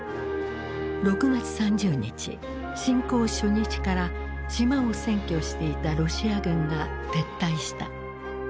６月３０日侵攻初日から島を占拠していたロシア軍が撤退した。